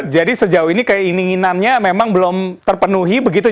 jadi sejauh ini keinginannya memang belum terpenuhi begitu